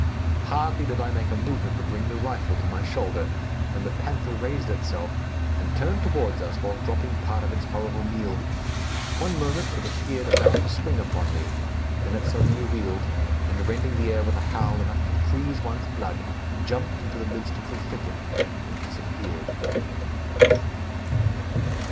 Hardly did I make a movement to bring the rifle to my shoulder, when the panther raised itself, and turned toward us while dropping part of its horrible meal. One moment, it appeared about to spring upon me, then it suddenly wheeled, and rending the air with a howl, enough to freeze one's blood, jumped into the midst of the thicket and disappeared.